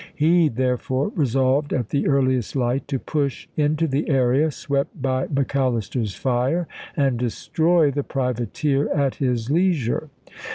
He therefore resolved at the earliest light to push into the area swept by Mc Allister's fire and destroy the privateer at his leisure.